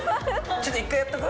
ちょっと１回やっとく？